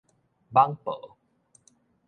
蠓婆